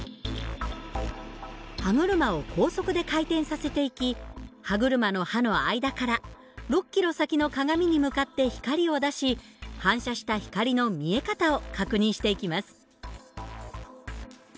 歯車を高速で回転させていき歯車の歯の間から６ｋｍ先の鏡に向かって光を出し反射した光の見え方を確認していきます。